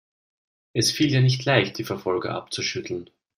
Es fiel ihr nicht leicht, die Verfolger abzuschütteln.